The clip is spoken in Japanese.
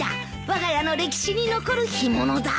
わが家の歴史に残る干物だ。